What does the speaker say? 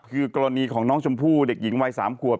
คือกรณีของน้องชมพู่เด็กหญิงวัย๓ขวบ